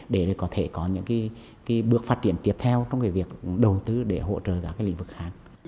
để có thể có những bước phát triển tiếp theo trong việc đầu tư để hỗ trợ các lĩnh vực khác